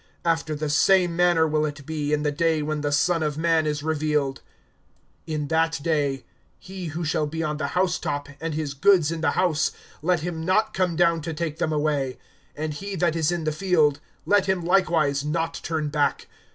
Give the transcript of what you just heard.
(30)After the same manner will it be, in the day when the Son of man is revealed. (31)In that day, he who shall be on the house top, and his goods in the house, let him not come down to take them away; and he that is in the field, let him likewise not turn back.